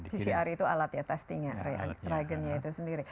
pcr itu alat ya testingnya reagennya itu sendiri